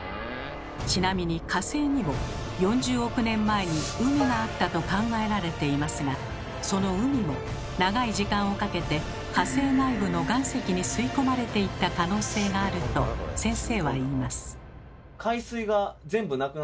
ちなみに火星にも４０億年前に海があったと考えられていますがその海も長い時間をかけて火星内部の岩石に吸いこまれていった可能性があると先生は言います。